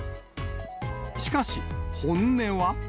しかし本音は。